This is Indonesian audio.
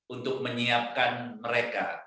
untuk menyiapkan mereka